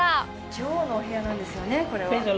女王のお部屋なんですよね、これは。